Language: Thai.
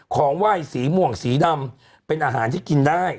ของไหว้สีม่วงสีดำเป็นอาหารที่กินได้